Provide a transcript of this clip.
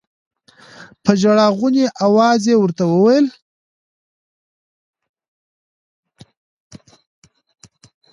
په ژړا غوني اواز يې ورته وويل.